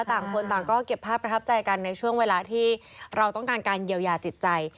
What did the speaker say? ต่างคนต่างก็เก็บภาพประทับใจกันในช่วงเวลาที่เราต้องการการเยียวยาจิตใจ